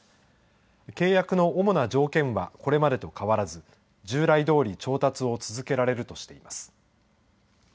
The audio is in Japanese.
契約の主な条件はこれまでと変わらず従来どおり調達を続けられるとしています。